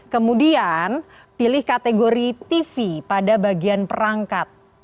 kemudian pilih kategori tv pada bagian perangkat